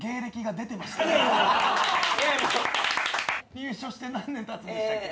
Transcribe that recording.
入所して何年経つんでしたっけ？